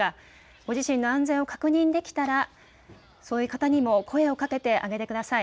ご自身の安全を確認できたら、そういう方にも声をかけてあげてください。